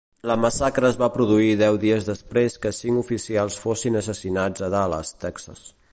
La massacre es va produir deu dies després que cinc oficials fossin assassinats a Dallas, Texas.